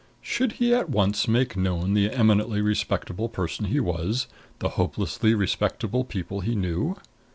Should he at once make known the eminently respectable person he was, the hopelessly respectable people he knew?